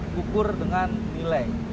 kukur dengan nilai